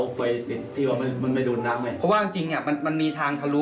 เพราะว่าจริงมันมีทางทะลุ